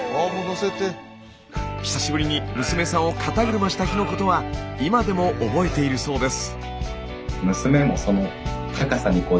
久しぶりに娘さんを肩車した日のことは今でも覚えているそうです。